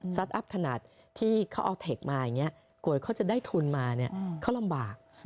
อัพขนาดที่เขาเอาเทคมาอย่างนี้กลัวเขาจะได้ทุนมาเขาลำบาก